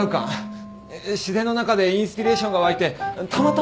自然の中でインスピレーションが湧いてたまたま書けて。